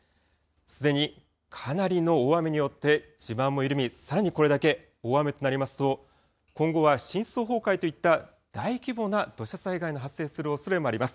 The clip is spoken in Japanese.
すでにかなりの大雨によって、地盤も緩み、さらにこれだけ大雨となりますと、今後は深層崩壊といった大規模な土砂災害の発生するおそれもあります。